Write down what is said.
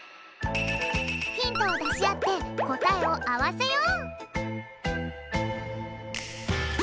ヒントをだしあってこたえをあわせよう！